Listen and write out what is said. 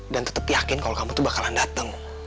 dan tetep yakin kalau kamu tuh bakalan dateng